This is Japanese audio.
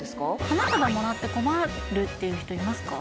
花束もらって困るっていう人いますか？